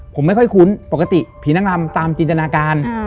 ผมไม่ค่อยคุ้นปกติผีนางรำตามจินตนาการ